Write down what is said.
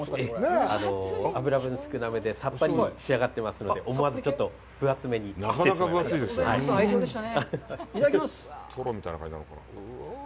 ええ、脂分少なめでさっぱり仕上がってますので思わずちょっと分厚めに切ってしまいました。